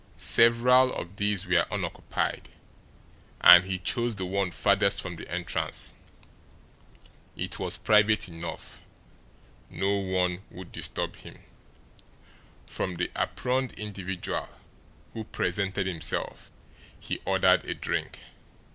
Several of these were unoccupied, and he chose the one farthest from the entrance. It was private enough; no one would disturb him. From the aproned individual who presented himself he ordered a drink.